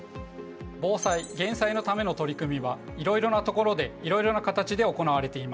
防災・減災のための取り組みはいろいろな所でいろいろな形で行われています。